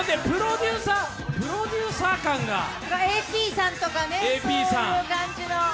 ＡＰさんとか、そういう感じの。